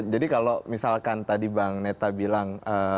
jadi kalau misalkan tadi bang neta bilang